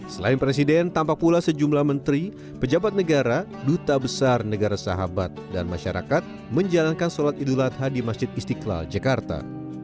selain presiden tampak pula sejumlah menteri pejabat negara duta besar negara sahabat dan masyarakat menjalankan sholat idul adha di masjid istiqlal jakarta